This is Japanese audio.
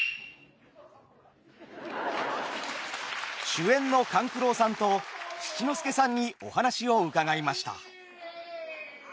主演の勘九郎さんと七之助さんにお話を伺いました。